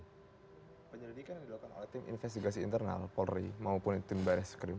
penyelidikan yang dilakukan oleh tim investigasi internal polri maupun tim baris krim